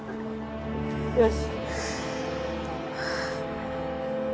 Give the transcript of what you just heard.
よし。